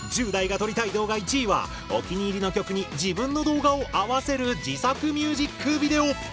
１０代が撮りたい動画１位はお気に入りの曲に自分の動画を合わせる自作ミュージックビデオ。